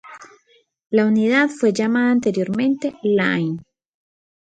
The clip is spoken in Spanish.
La unidad fue llamada anteriormente line.